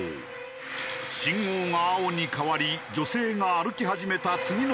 信号が青に変わり女性が歩き始めた次の瞬間。